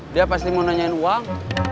dia pasti mau nanyain uang